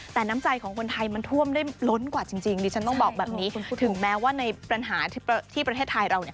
แต่น้ำใจของคนไทยมันท่วมได้ล้นกว่าจริงดิฉันต้องบอกแบบนี้ถึงแม้ว่าในปัญหาที่ประเทศไทยเรา